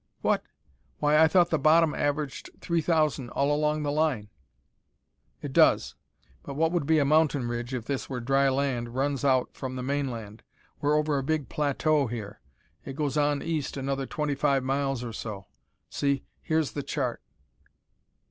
"What! Why, I thought the bottom averaged three thousand all along the line." "It does. But what would be a mountain ridge, if this were dry land, runs out from the mainland. We're over a big plateau here. It goes on east another twenty five miles, or so. See, here's the chart."